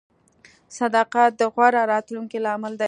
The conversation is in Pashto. • صداقت د غوره راتلونکي لامل دی.